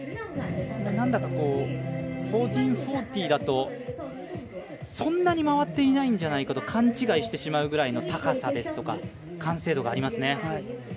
なんだか１４４０だとそんなに回っていないんじゃないかと勘違いしてしまうぐらいの高さですとか完成度がありますね。